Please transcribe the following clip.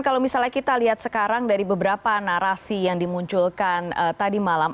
kalau misalnya kita lihat sekarang dari beberapa narasi yang dimunculkan tadi malam